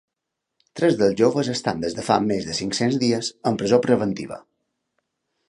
Tres dels joves estan des de fa més de cinc-cents dies en presó preventiva.